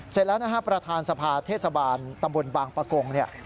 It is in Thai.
เสร็จแล้วนะฮะประธานสภาเทศบาลตำบลบางปะกงเนี่ย